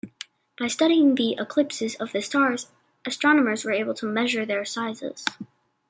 By studying the eclipses of the stars, astronomers were able to measure their sizes.